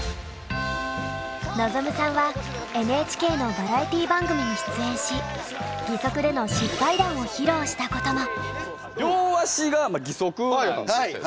望さんはＮＨＫのバラエティー番組に出演し義足での失敗談を披露したことも。